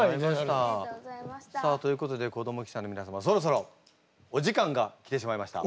さあということで子ども記者のみなさまそろそろお時間が来てしまいました。